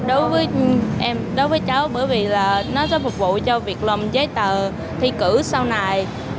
đối với em đối với cháu bởi vì là nó sẽ phục vụ cho việc làm giấy tờ thi cử sau này